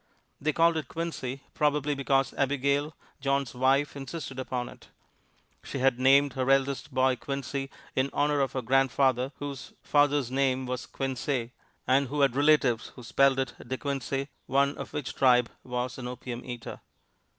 They called it Quincy, probably because Abigail, John's wife, insisted upon it. She had named her eldest boy Quincy, in honor of her grandfather, whose father's name was Quinsey, and who had relatives who spelled it De Quincey, one of which tribe was an opium eater.